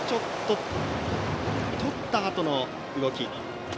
とったあとの動き。